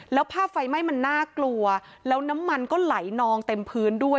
แล้วภาพไฟไหม้มันน่ากลัวแล้วน้ำมันก็ไหลนองเต็มพื้นด้วย